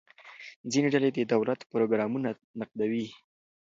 ځینې ډلې د دولت پروګرامونه نقدوي.